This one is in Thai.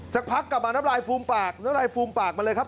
สักพักกลับมาน้ำลายฟูมปากน้ำลายฟูมปากมาเลยครับ